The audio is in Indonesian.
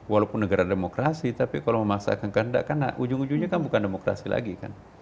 walaupun negara demokrasi tapi kalau memaksakan kehendak karena ujung ujungnya kan bukan demokrasi lagi kan